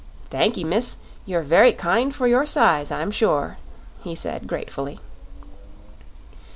"Thankee, miss; you're very kind for your size, I'm sure," said he gratefully.